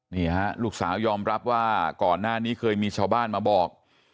นี่ฮะลูกสาวยอมรับว่าก่อนหน้านี้เคยมีชาวบ้านมาบอก